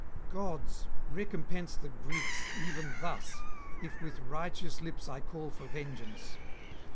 Gods, recompense the Greeks even thus, if with righteous lips I call for vengeance!